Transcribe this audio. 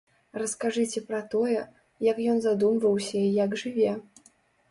Раскажыце пра тое, як ён задумваўся і як жыве.